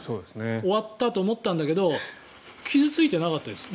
終わったと思ったんだけど傷付いてなかったです。